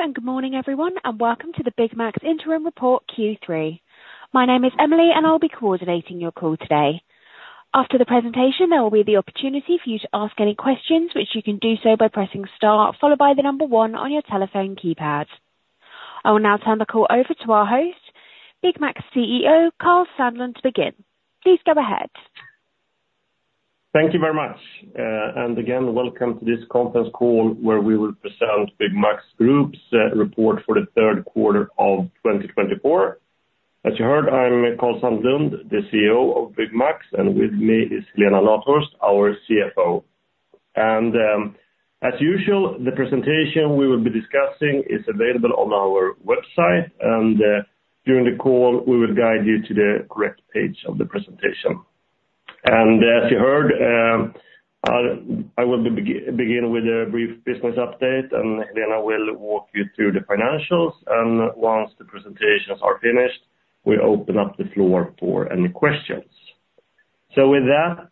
Hello, and good morning, everyone, and welcome to the Byggmax Interim Report, Q3. My name is Emily, and I'll be coordinating your call today. After the presentation, there will be the opportunity for you to ask any questions, which you can do so by pressing star, followed by the number one on your telephone keypad. I will now turn the call over to our host, Byggmax CEO, Karl Sandlund, to begin. Please go ahead. Thank you very much, and again, welcome to this conference call, where we will present Byggmax Group's report for the third quarter of twenty twenty-four. As you heard, I'm Karl Sandlund, the CEO of Byggmax, and with me is Helena Nathhorst, our CFO, and as usual, the presentation we will be discussing is available on our website, and during the call, we will guide you to the correct page of the presentation. And as you heard, I will begin with a brief business update, and Helena will walk you through the financials, and once the presentations are finished, we open up the floor for any questions, so with that,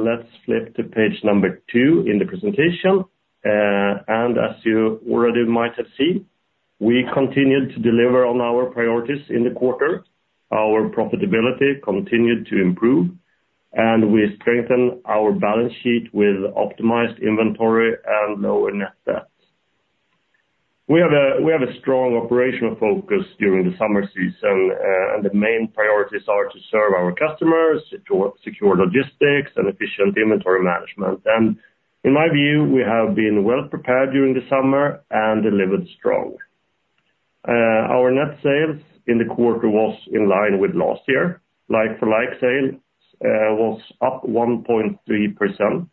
let's flip to page number two in the presentation, and as you already might have seen, we continued to deliver on our priorities in the quarter. Our profitability continued to improve, and we strengthened our balance sheet with optimized inventory and lower net debts. We have a strong operational focus during the summer season, and the main priorities are to serve our customers, secure logistics, and efficient inventory management, and in my view, we have been well-prepared during the summer and delivered strong. Our net sales in the quarter was in line with last year. Like-for-like sales was up 1.3%,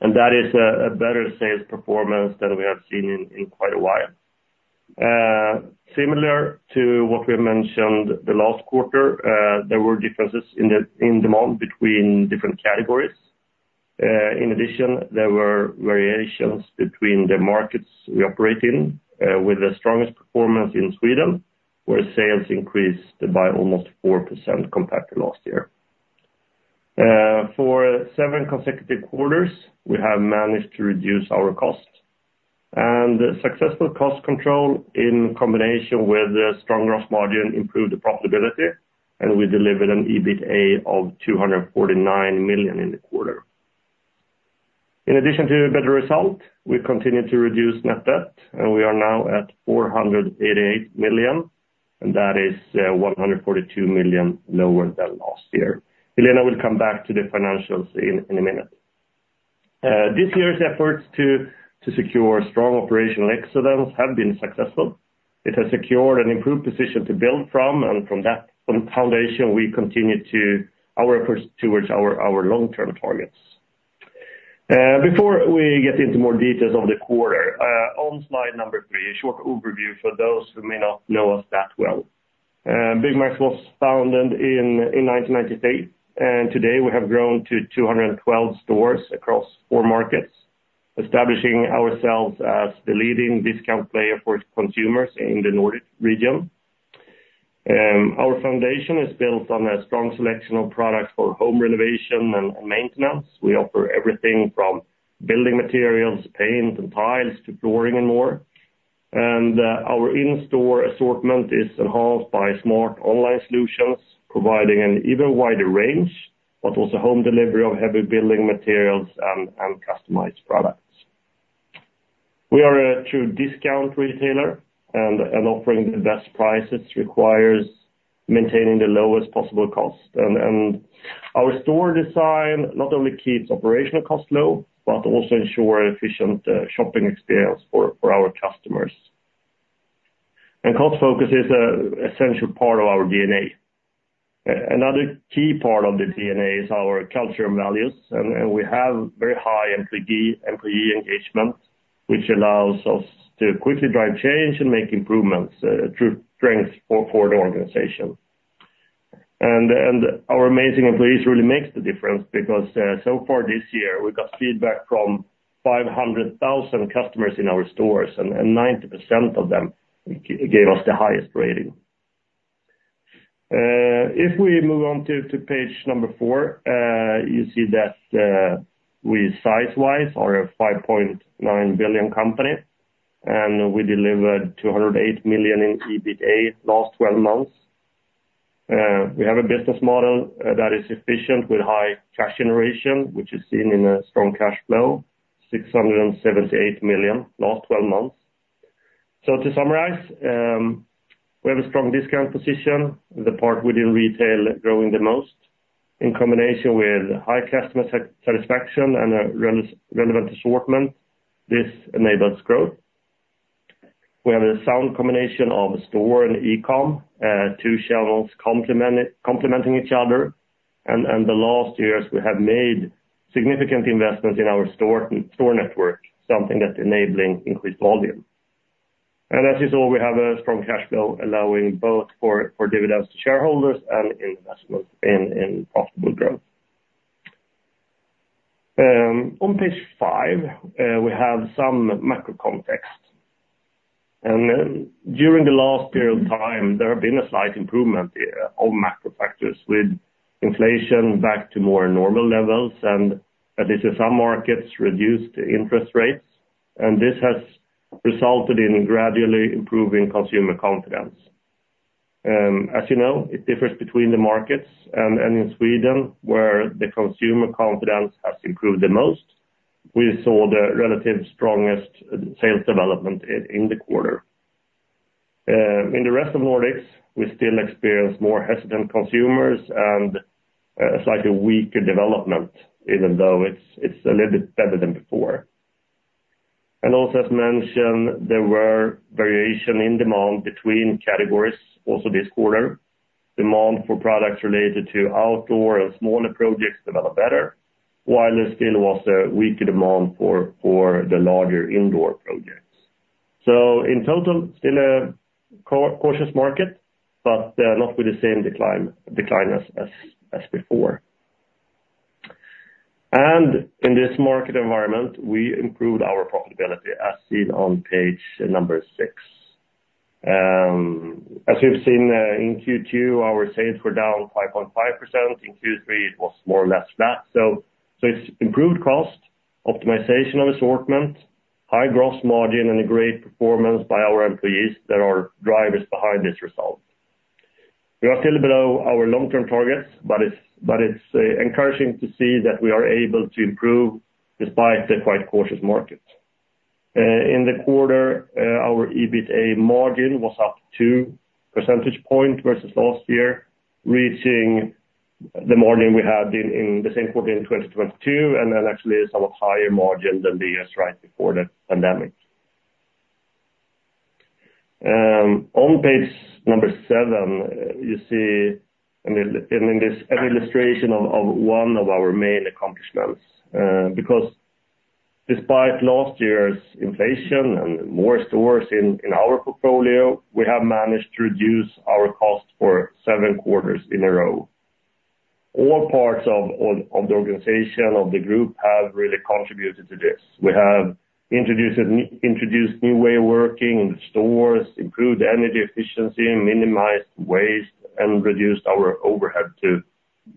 and that is a better sales performance than we have seen in quite a while. Similar to what we mentioned the last quarter, there were differences in the demand between different categories. In addition, there were variations between the markets we operate in, with the strongest performance in Sweden, where sales increased by almost 4% compared to last year. For seven consecutive quarters, we have managed to reduce our costs, and successful cost control, in combination with the strong gross margin, improved the profitability, and we delivered an EBITDA of 249 million in the quarter. In addition to the better result, we continued to reduce net debt, and we are now at 488 million, and that is, one hundred and forty-two million lower than last year. Helena will come back to the financials in a minute. This year's efforts to secure strong operational excellence have been successful. It has secured an improved position to build from, and from that foundation, we continue to our efforts towards our long-term targets. Before we get into more details of the quarter, on slide number three, a short overview for those who may not know us that well. Byggmax was founded in nineteen ninety-eight, and today we have grown to 212 stores across four markets, establishing ourselves as the leading discount player for consumers in the Nordic region. Our foundation is built on a strong selection of products for home renovation and maintenance. We offer everything from building materials, paint, and tiles to flooring and more. Our in-store assortment is enhanced by smart online solutions, providing an even wider range, but also home delivery of heavy building materials and customized products. We are a true discount retailer, and offering the best prices requires maintaining the lowest possible cost. Our store design not only keeps operational costs low, but also ensures efficient shopping experience for our customers. Cost focus is an essential part of our DNA. Another key part of the DNA is our culture and values, and we have very high employee engagement, which allows us to quickly drive change and make improvements through strength for the organization. Our amazing employees really make the difference, because so far this year, we got feedback from 500,000 customers in our stores, and 90% of them gave us the highest rating. If we move on to page number four, you see that, size-wise, we are a 5.9 billion company, and we delivered 208 million in EBITDA last twelve months. We have a business model that is efficient with high cash generation, which is seen in a strong cash flow, 678 million, last twelve months. To summarize, we have a strong discount position, the part within retail growing the most, in combination with high customer satisfaction and a relevant assortment. This enables growth. We have a sound combination of store and e-com, two channels complementing each other, and the last years, we have made significant investments in our store network, something that's enabling increased volume. And as you saw, we have a strong cash flow, allowing both for dividends to shareholders and investments in profitable growth. On page five, we have some macro context. And during the last period of time, there have been a slight improvement on macro factors with inflation back to more normal levels, and in some markets reduced interest rates, and this has resulted in gradually improving consumer confidence. As you know, it differs between the markets, and in Sweden, where the consumer confidence has improved the most, we saw the relative strongest sales development in the quarter. In the rest of the Nordics, we still experience more hesitant consumers and a slightly weaker development, even though it's a little bit better than before. And also, as mentioned, there were variation in demand between categories also this quarter. Demand for products related to outdoor and smaller projects developed better, while there still was a weaker demand for the larger indoor projects. So in total, still a cautious market, but not with the same decline as before, and in this market environment, we improved our profitability, as seen on page 6. As we've seen, in Q2, our sales were down 5.5%. In Q3, it was more or less flat. So it's improved cost, optimization of assortment, high gross margin, and a great performance by our employees that are drivers behind this result. We are still below our long-term targets, but it's encouraging to see that we are able to improve despite the quite cautious market. In the quarter, our EBITDA margin was up two percentage points versus last year, reaching the margin we had in the same quarter in twenty twenty-two, and then actually a somewhat higher margin than the years right before the pandemic. On page seven, you see, I mean, in this an illustration of one of our main accomplishments, because despite last year's inflation and more stores in our portfolio, we have managed to reduce our cost for seven quarters in a row. All parts of the organization of the group have really contributed to this. We have introduced new way of working in the stores, improved energy efficiency, minimized waste, and reduced our overhead, to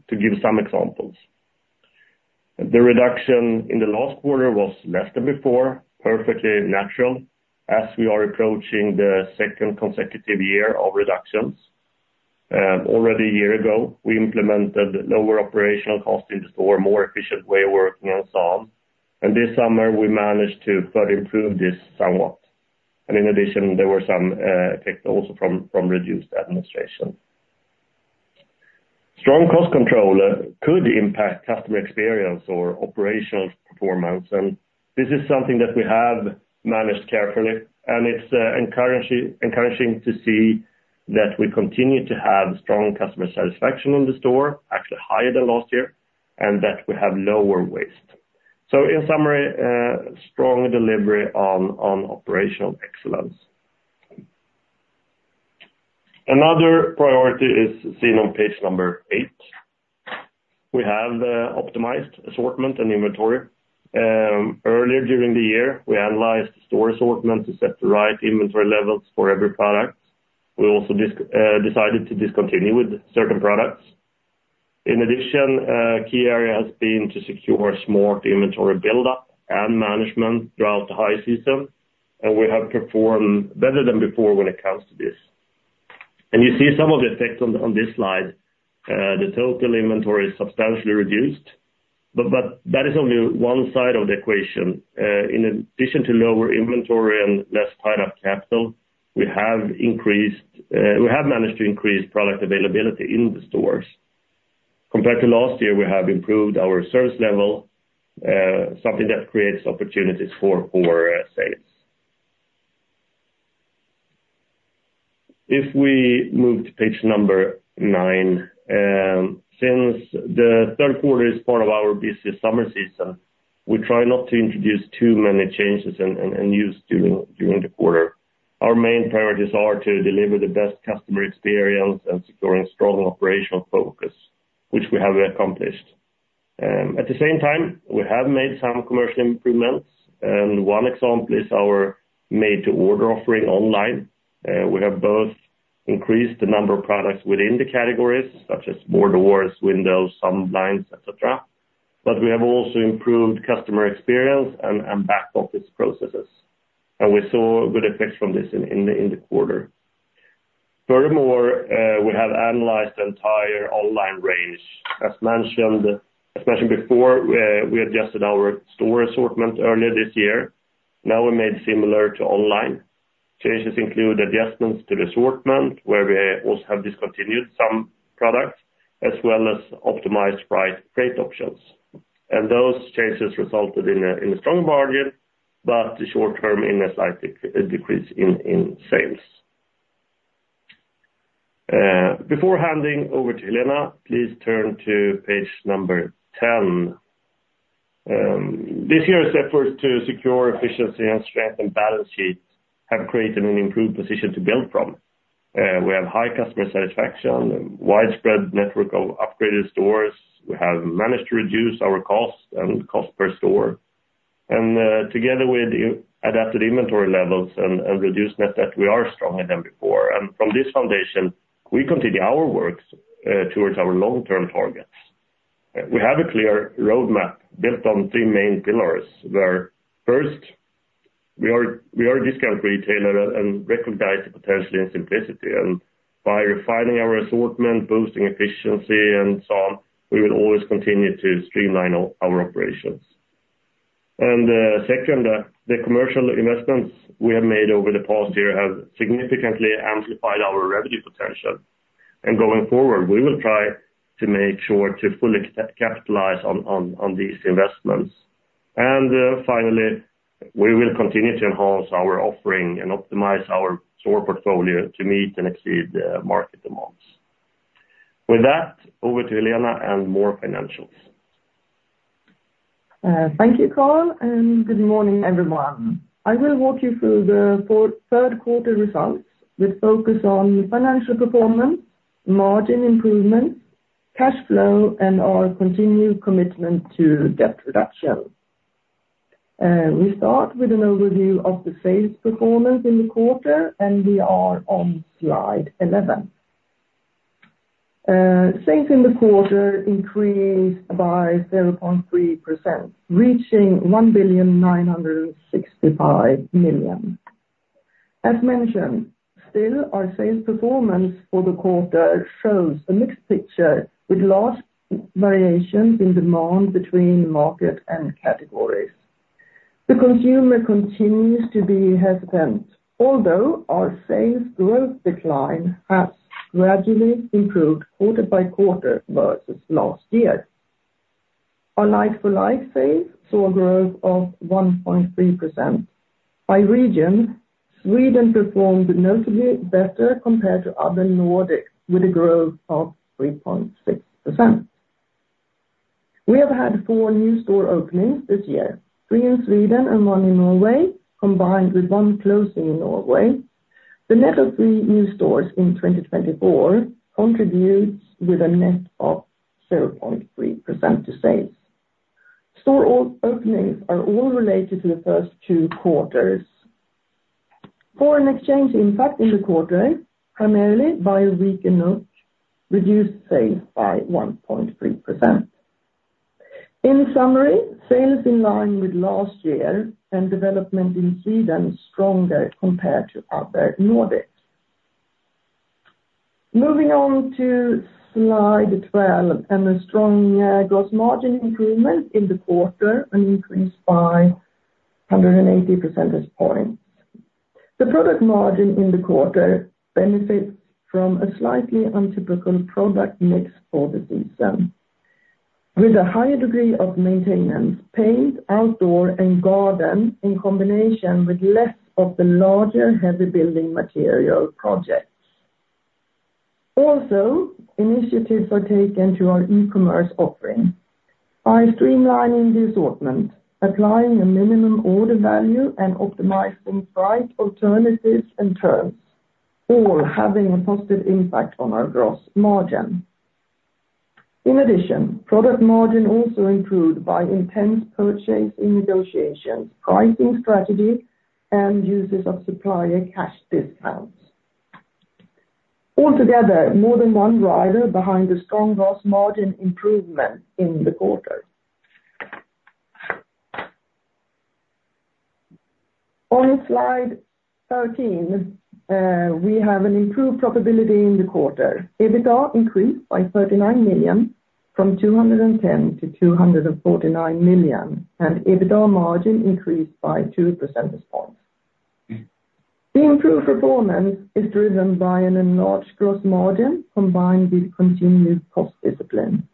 give some examples. The reduction in the last quarter was less than before, perfectly natural, as we are approaching the second consecutive year of reductions. Already a year ago, we implemented lower operational costs in store, more efficient way of working and so on, and this summer, we managed to further improve this somewhat. And in addition, there were some effects also from reduced administration. Strong cost control could impact customer experience or operational performance, and this is something that we have managed carefully, and it's encouraging to see that we continue to have strong customer satisfaction in the store, actually higher than last year, and that we have lower waste. So in summary, strong delivery on operational excellence. Another priority is seen on page number eight. We have optimized assortment and inventory. Earlier during the year, we analyzed store assortment to set the right inventory levels for every product. We also decided to discontinue with certain products. In addition, a key area has been to secure smart inventory buildup and management throughout the high season, and we have performed better than before when it comes to this. And you see some of the effects on this slide. The total inventory is substantially reduced, but that is only one side of the equation. In addition to lower inventory and less tied-up capital, we have managed to increase product availability in the stores. Compared to last year, we have improved our service level, something that creates opportunities for sales. If we move to page number nine, since the third quarter is part of our busiest summer season, we try not to introduce too many changes and use during the quarter. Our main priorities are to deliver the best customer experience and securing strong operational focus, which we have accomplished. At the same time, we have made some commercial improvements, and one example is our made-to-order offering online. We have both increased the number of products within the categories, such as board doors, windows, some blinds, et cetera, but we have also improved customer experience and back-office processes. And we saw good effects from this in the quarter. Furthermore, we have analyzed the entire online range. As mentioned before, we adjusted our store assortment earlier this year. Now, we made similar to online. Changes include adjustments to the assortment, where we also have discontinued some products, as well as optimized price, price options. And those changes resulted in a strong margin, but the short term in a slight decrease in sales. Before handing over to Helena, please turn to page number ten. This year's effort to secure efficiency and strengthen balance sheets have created an improved position to build from. We have high customer satisfaction, widespread network of upgraded stores. We have managed to reduce our cost and cost per store. And together with the adapted inventory levels and reduced net debt, we are stronger than before. And from this foundation, we continue our works towards our long-term targets. We have a clear roadmap built on three main pillars, where first, we are a discount retailer and recognize the potential in simplicity, and by refining our assortment, boosting efficiency, and so on, we will always continue to streamline our operations. And, second, the commercial investments we have made over the past year have significantly amplified our revenue potential. And going forward, we will try to make sure to fully capitalize on these investments. And, finally, we will continue to enhance our offering and optimize our store portfolio to meet and exceed the market demands. With that, over to Helena, and more financials. Thank you, Karl, and good morning, everyone. I will walk you through the third quarter results, with focus on financial performance, margin improvement, cash flow, and our continued commitment to debt reduction. We start with an overview of the sales performance in the quarter, and we are on slide eleven. Sales in the quarter increased by 0.3%, reaching 1,965 million. As mentioned, still, our sales performance for the quarter shows a mixed picture, with large variations in demand between market and categories. The consumer continues to be hesitant, although our sales growth decline has gradually improved quarter by quarter versus last year. Our like-for-like sales saw a growth of 1.3%. By region, Sweden performed notably better compared to other Nordics, with a growth of 3.6%. We have had four new store openings this year, three in Sweden and one in Norway, combined with one closing in Norway. The net of three new stores in twenty twenty-four contributes with a net of 0.3% to sales. Store openings are all related to the first two quarters. Foreign exchange impact in the quarter, primarily by weak in March, reduced sales by 1.3%. In summary, sales in line with last year and development in Sweden is stronger compared to other Nordics. Moving on to slide 12 and a strong gross margin improvement in the quarter, an increase by 180 percentage points. The product margin in the quarter benefits from a slightly untypical product mix for the season, with a higher degree of maintenance, paint, outdoor, and garden, in combination with less of the larger, heavy building material projects. Also, initiatives are taken to our e-commerce offering by streamlining the assortment, applying a minimum order value, and optimizing price alternatives and terms, all having a positive impact on our gross margin. In addition, product margin also improved by intense purchasing negotiations, pricing strategy, and uses of supplier cash discounts. Altogether, more than one driver behind the strong gross margin improvement in the quarter. On slide 13, we have an improved profitability in the quarter. EBITDA increased by 39 million, from 210 million to 249 million, and EBITDA margin increased by two percentage points. The improved performance is driven by an enlarged gross margin, combined with continued cost discipline.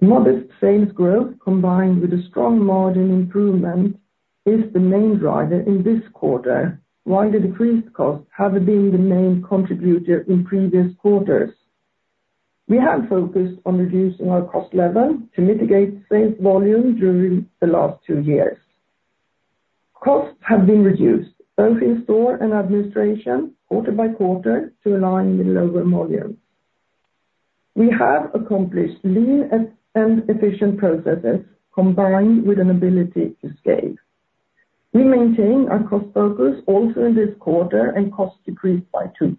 Modest sales growth, combined with a strong margin improvement, is the main driver in this quarter, while the decreased costs have been the main contributor in previous quarters. We have focused on reducing our cost level to mitigate sales volume during the last two years. Costs have been reduced, both in store and administration, quarter by quarter, to align with lower volume. We have accomplished lean and efficient processes, combined with an ability to scale. We maintain our cost focus also in this quarter, and costs decreased by 2%.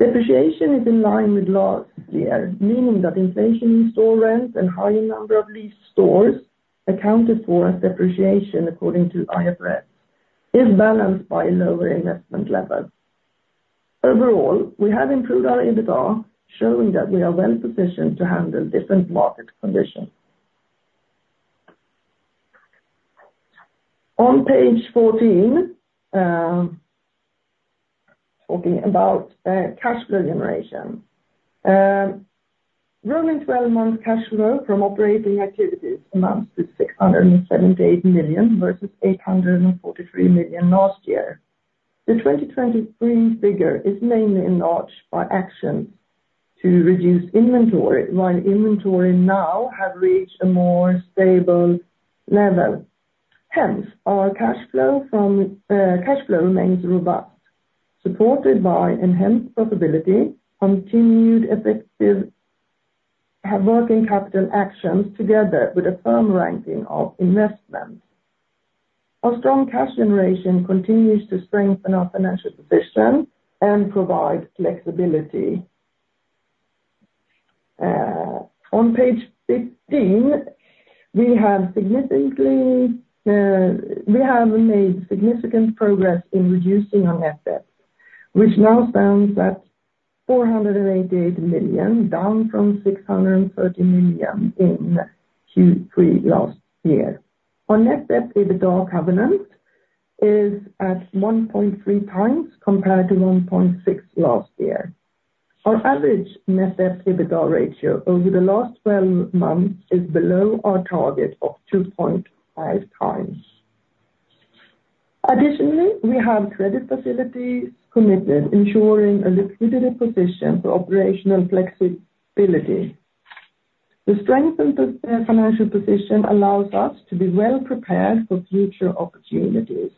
Depreciation is in line with last year, meaning that inflation in store rents and higher number of leased stores accounted for as depreciation, according to IFRS, is balanced by lower investment levels. Overall, we have improved our EBITDA, showing that we are well positioned to handle different market conditions. On page 14, talking about cash flow generation. Rolling twelve-month cash flow from operating activities amounts to 678 million, versus 843 million last year. The 2023 figure is mainly enlarged by action to reduce inventory, while inventory now have reached a more stable level. Hence, our cash flow from cash flow remains robust supported by enhanced profitability, continued effective working capital actions, together with a firm ranking of investment. Our strong cash generation continues to strengthen our financial position and provide flexibility. On page 15, we have made significant progress in reducing our net debt, which now stands at 488 million, down from 630 million in Q3 last year. Our net debt EBITDA covenant is at 1.3 times, compared to 1.6 last year. Our average net debt EBITDA ratio over the last twelve months is below our target of 2.5 times. Additionally, we have credit facilities committed, ensuring a liquidity position for operational flexibility. The strength in the financial position allows us to be well prepared for future opportunities.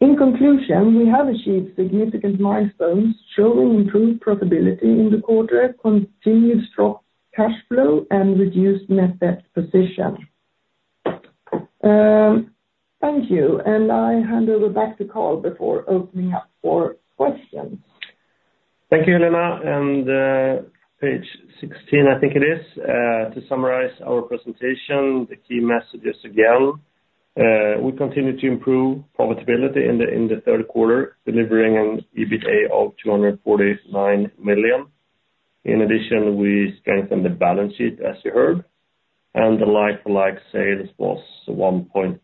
In conclusion, we have achieved significant milestones, showing improved profitability in the quarter, continued strong cash flow, and reduced net debt position. Thank you, and I hand over back to Karl before opening up for questions. Thank you, Helena. And page 16, I think it is, to summarize our presentation, the key messages again. We continue to improve profitability in the third quarter, delivering an EBITDA of 249 million. In addition, we strengthened the balance sheet, as you heard, and the like-for-like sales was 1.3%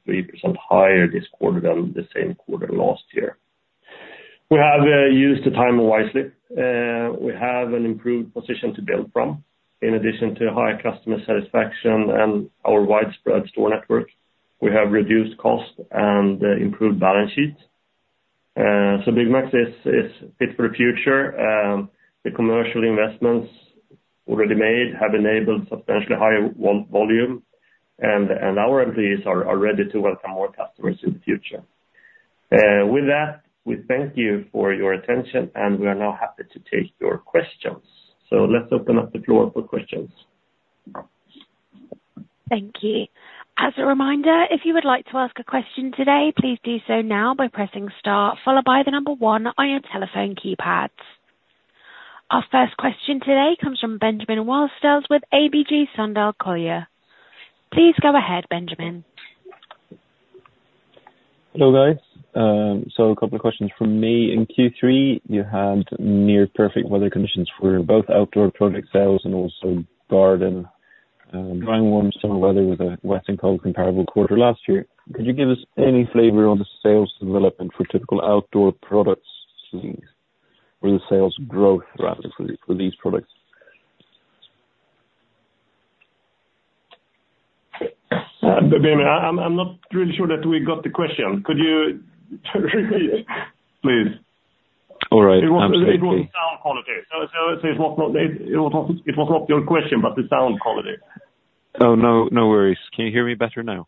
higher this quarter than the same quarter last year. We have used the time wisely. We have an improved position to build from, in addition to higher customer satisfaction and our widespread store network. We have reduced cost and improved balance sheets. So MAX is fit for the future. The commercial investments already made have enabled substantially higher volume, and our employees are ready to welcome more customers in the future. With that, we thank you for your attention, and we are now happy to take your questions. So let's open up the floor for questions. Thank you. As a reminder, if you would like to ask a question today, please do so now by pressing star, followed by the number one on your telephone keypads. Our first question today comes from Benjamin Wahlstedt with ABG Sundal Collier. Please go ahead, Benjamin. Hello, guys. So a couple of questions from me. In Q3, you had near perfect weather conditions for both outdoor product sales and also garden, dry and warm summer weather, with a wet and cold comparable quarter last year. Could you give us any flavor on the sales development for typical outdoor products, or the sales growth rather, for these products? Benjamin, I'm not really sure that we got the question. Could you repeat, please? All right. It was sound quality. So, it's not your question, but the sound quality. Oh, no, no worries. Can you hear me better now?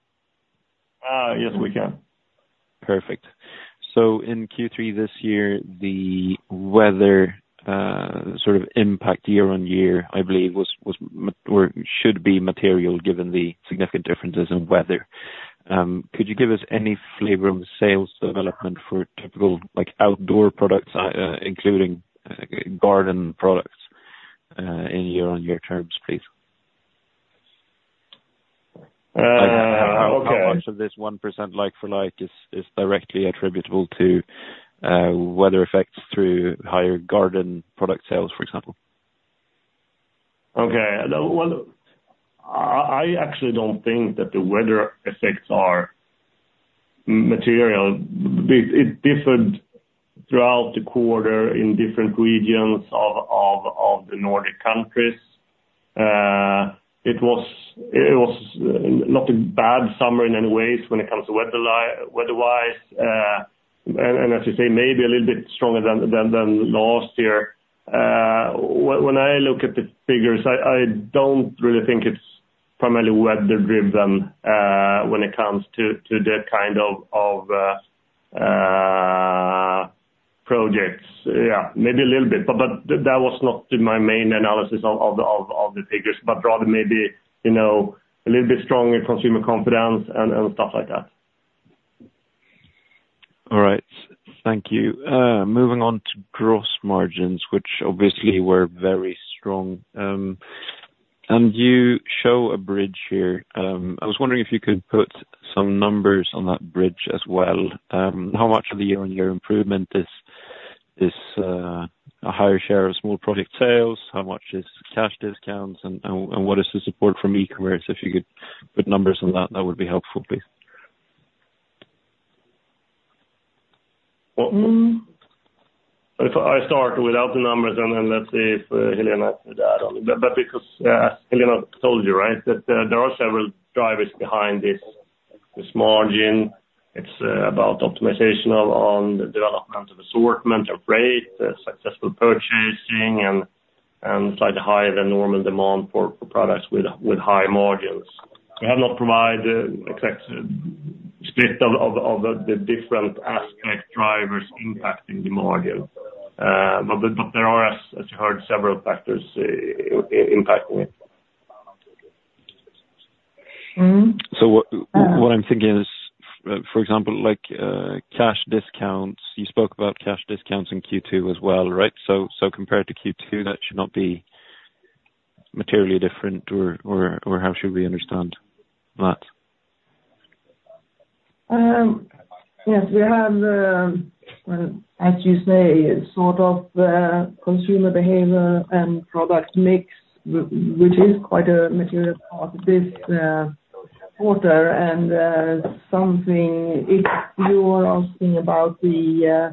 Yes, we can. Perfect. So in Q3 this year, the weather sort of impact year on year, I believe, was or should be material, given the significant differences in weather. Could you give us any flavor on the sales development for typical, like, outdoor products, including garden products, in year-on-year terms, please? Uh, okay. How much of this 1% like for like is directly attributable to weather effects through higher garden product sales, for example? Okay. I actually don't think that the weather effects are material. But it differed throughout the quarter in different regions of the Nordic countries. It was not a bad summer in any way when it comes to weather-wise, and as you say, maybe a little bit stronger than last year. When I look at the figures, I don't really think it's primarily weather-driven, when it comes to that kind of projects. Yeah, maybe a little bit, but that was not my main analysis of the figures, but rather maybe, you know, a little bit stronger consumer confidence and stuff like that. All right. Thank you. Moving on to gross margins, which obviously were very strong, and you show a bridge here. I was wondering if you could put some numbers on that bridge as well. How much of the year-on-year improvement is a higher share of small product sales? How much is cash discounts, and what is the support from e-commerce? If you could put numbers on that, that would be helpful, please. Well, if I start without the numbers, and then let's see if Helena could add on. But because Helena told you, right, that there are several drivers behind this margin. It's about optimization of the developments of assortment, of freight, successful purchasing, and slightly higher than normal demand for products with high margins. We have not provided exact split of the different aspect drivers impacting the margin. But there are, as you heard, several factors impacting it. Mm-hmm. So what I'm thinking is, for example, like, cash discounts, you spoke about cash discounts in Q2 as well, right? So compared to Q2, that should not be materially different, or how should we understand that? Yes, we have, as you say, sort of, consumer behavior and product mix, which is quite a material part of this quarter. And something, if you are asking about the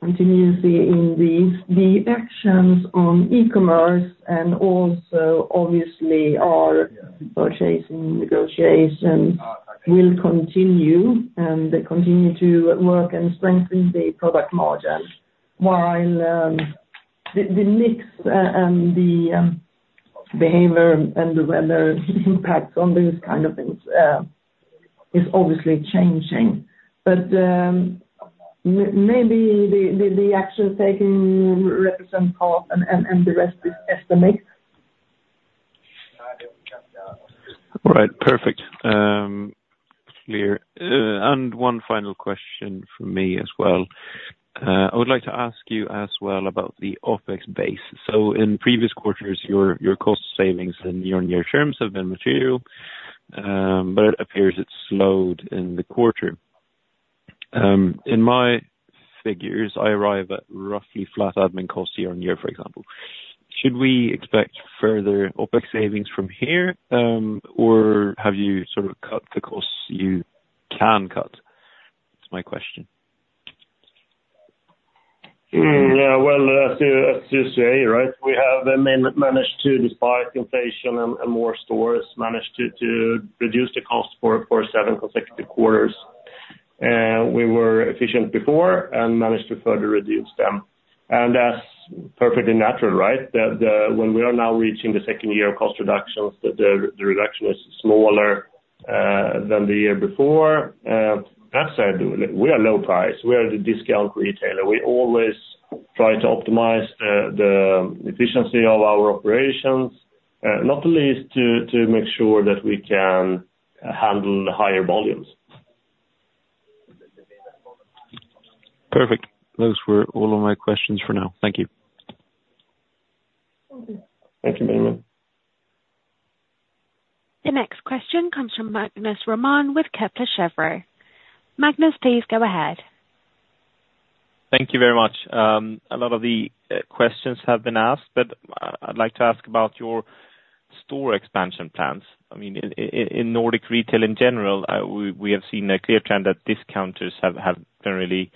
continuity in the actions on e-commerce, and also, obviously, our purchasing negotiations will continue, and continue to work and strengthen the product margin. While the mix and the behavior and the weather impact on these kind of things is obviously changing. But maybe the action taking represent part and the rest is estimates. All right, perfect. Clear. And one final question from me as well. I would like to ask you as well about the OpEx base. So in previous quarters, your cost savings and year-on-year terms have been material, but it appears it slowed in the quarter. In my figures, I arrive at roughly flat admin costs year on year, for example. Should we expect further OpEx savings from here, or have you sort of cut the costs you can cut? That's my question. Yeah, well, as you say, right? We have managed to, despite inflation and more stores, managed to reduce the cost for seven consecutive quarters. We were efficient before and managed to further reduce them. And that's perfectly natural, right? That when we are now reaching the second year of cost reductions, the reduction is smaller than the year before. That said, we are low price. We are the discount retailer. We always try to optimize the efficiency of our operations, not the least, to make sure that we can handle the higher volumes. Perfect. Those were all of my questions for now. Thank you. Thank you. Thank you, Benjamin. The next question comes from Magnus Råman with Kepler Cheuvreux. Magnus, please go ahead. Thank you very much. A lot of the questions have been asked, but I'd like to ask about your store expansion plans. I mean, in Nordic retail in general, we have seen a clear trend that discounters have generally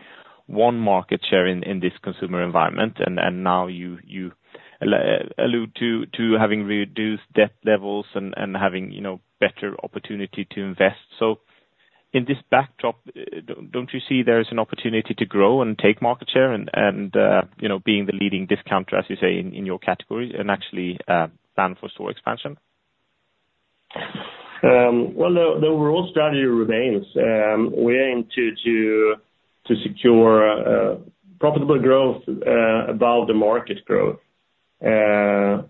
won market share in this consumer environment, and now you allude to having reduced debt levels and having, you know, better opportunity to invest, so in this backdrop, don't you see there is an opportunity to grow and take market share and you know, being the leading discounter, as you say, in your category, and actually plan for store expansion? Well, the overall strategy remains. We aim to secure profitable growth above the market growth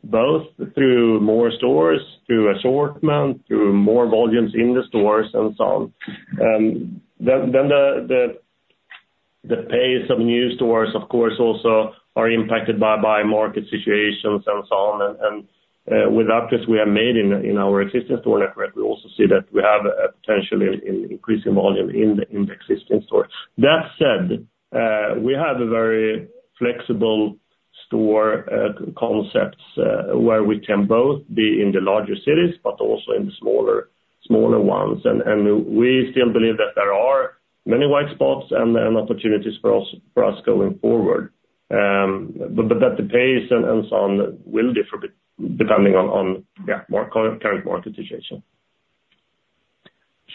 both through more stores, through assortment, through more volumes in the stores, and so on, then the pace of new stores, of course, also are impacted by market situations and so on. With optimizations we have made in our existing store network, we also see that we have a potentially increasing volume in the existing stores. That said, we have a very flexible store concepts where we can both be in the larger cities, but also in the smaller ones. We still believe that there are many white spots and opportunities for us going forward. But that the pace and so on will differ, depending on the current market situation.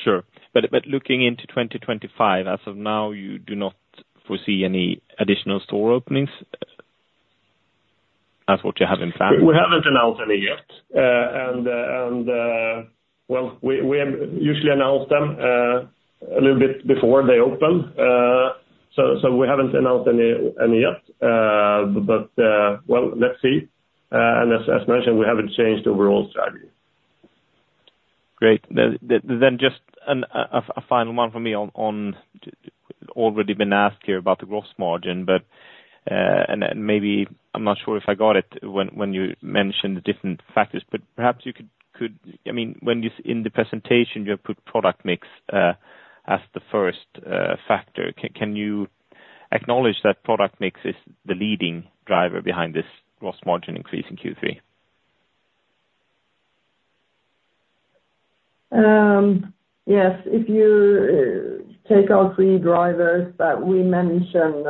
Sure. But looking into 2025, as of now, you do not foresee any additional store openings? That's what you have in plan. We haven't announced any yet, and well, we have usually announced them a little bit before they open, so we haven't announced any yet, but well, let's see, and as mentioned, we haven't changed the overall strategy. Great. Then just a final one for me on... Already been asked here about the gross margin, but, and maybe I'm not sure if I got it when you mentioned the different factors, but perhaps you could. I mean, when you, in the presentation, you have put product mix as the first factor. Can you acknowledge that product mix is the leading driver behind this gross margin increase in Q3? Yes. If you take our three drivers that we mentioned,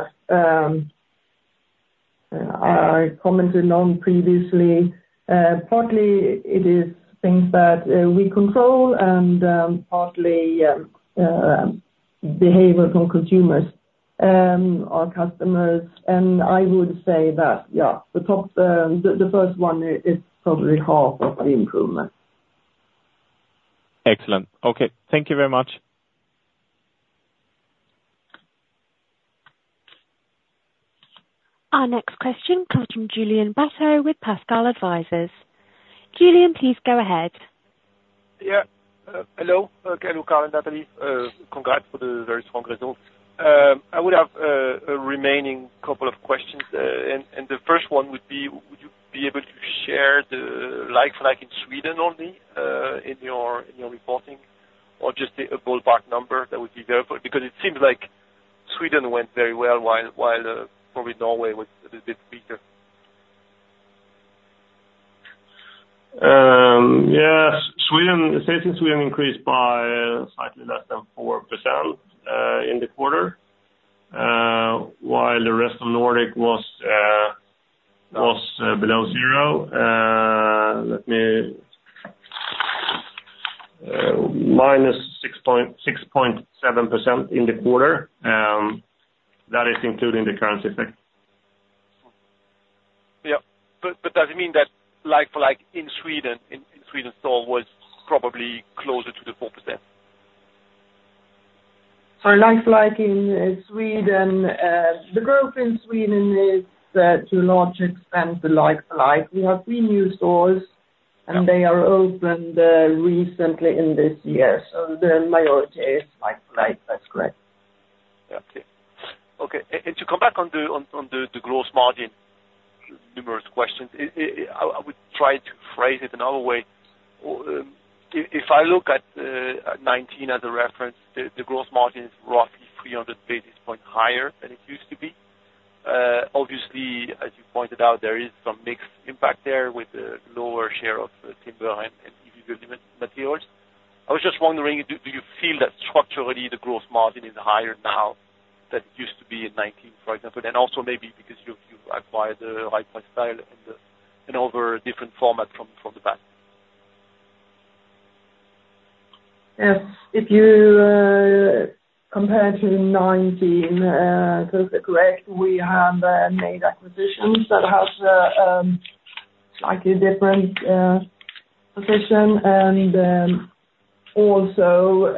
I commented on previously, partly it is things that we control and, partly, behavior from consumers. ... our customers, and I would say that, yeah, the top, the first one is probably half of the improvement. Excellent. Okay. Thank you very much. Our next question comes from Julien Battteau with Pascal Advisors. Julian, please go ahead. Yeah. Hello. Okay, hello, Karl and Helena. Congrats for the very strong results. I would have a remaining couple of questions. And the first one would be: Would you be able to share the like for like in Sweden only, in your reporting, or just a ballpark number that would be there? But because it seems like Sweden went very well, while probably Norway was a little bit weaker. Yes, Sweden, same thing. Sweden increased by slightly less than 4% in the quarter, while the rest of Nordic was below zero. Let me, minus 6.7% in the quarter, that is including the currency effect. Yeah, but does it mean that like for like in Sweden store was probably closer to the 4%? So like for like in Sweden, the growth in Sweden is to a large extent the like for like. We have three new stores- Yeah. and they are opened recently in this year, so the majority is like for like. That's correct. Yeah. Okay. And to come back on the gross margin, numerous questions. I would try to phrase it another way. If I look at nineteen as a reference, the gross margin is roughly three hundred basis points higher than it used to be. Obviously, as you pointed out, there is some mix impact there with the lower share of timber and building materials. I was just wondering, do you feel that structurally the gross margin is higher now than it used to be in nineteen, for example, and also maybe because you've acquired the right price style and the other different format from the bank? Yes. If you compare to nineteen, those are correct. We have made acquisitions that have slightly different position, and also,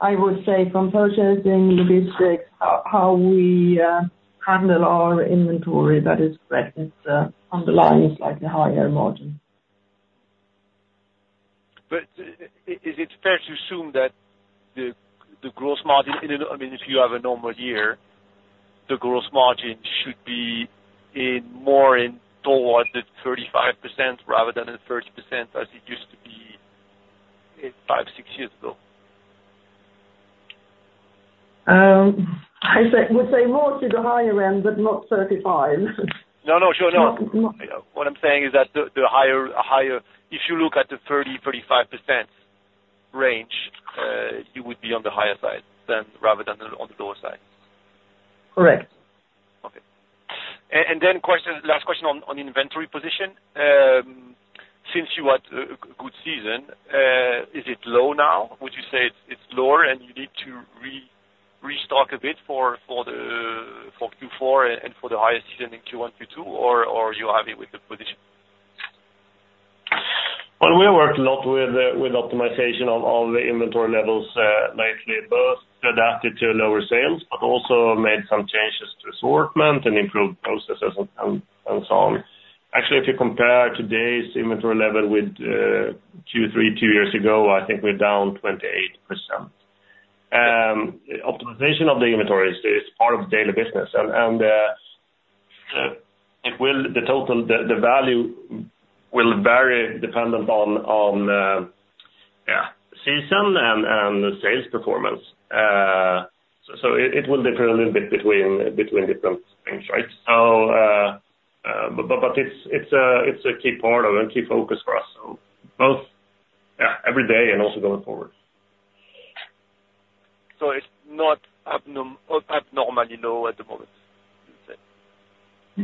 I would say from purchasing logistics, how we handle our inventory. That is practice underlying slightly higher margin. Is it fair to assume that the gross margin in a... I mean, if you have a normal year, the gross margin should be in more towards the 35% rather than the 30% as it used to be in five, six years ago? I would say more to the higher end, but not 35. No, no, sure. No. Not, not- What I'm saying is that the higher, if you look at the 30-35% range, you would be on the higher side than rather than on the lower side. Correct. Okay. And then question, last question on inventory position. Since you had a good season, is it low now? Would you say it's lower, and you need to restock a bit for the Q4 and for the higher season in Q1, Q2, or you are happy with the position? We worked a lot with optimization of the inventory levels lately, both adapted to lower sales, but also made some changes to assortment and improved processes and so on. Actually, if you compare today's inventory level with Q3 two years ago, I think we're down 28%. Optimization of the inventory is part of daily business, and the total value will vary dependent on yeah, season and the sales performance. So it will differ a little bit between different things, right? So but it's a key part of it, key focus for us, so both yeah, every day and also going forward. So it's not abnormal, you know, at the moment, you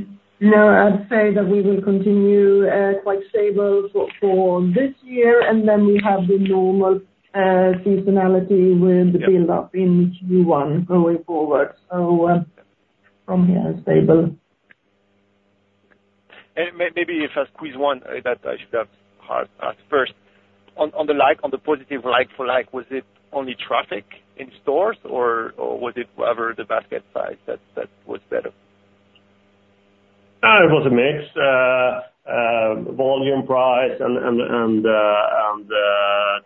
say? No, I'd say that we will continue quite stable for this year, and then we have the normal seasonality with- Yeah - the build-up in Q1 going forward. So, from here, stable. Maybe if I squeeze one that I should have asked first. On the positive like-for-like, was it only traffic in stores or was it rather the basket size that was better? It was a mix of volume, price, and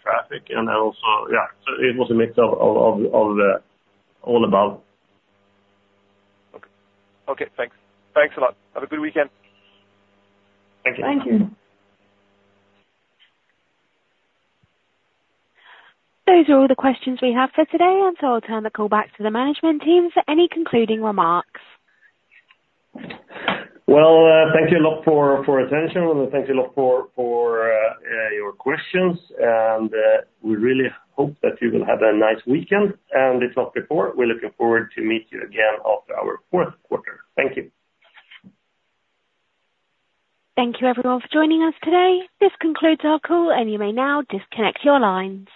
traffic, and then also. Yeah, so it was a mix of all about. Okay. Okay, thanks. Thanks a lot. Have a good weekend. Thank you. Thank you. Those are all the questions we have for today, and so I'll turn the call back to the management team for any concluding remarks. Thank you a lot for attention, and thank you a lot for your questions. We really hope that you will have a nice weekend, and if not before, we're looking forward to meet you again after our fourth quarter. Thank you. Thank you everyone for joining us today. This concludes our call, and you may now disconnect your lines.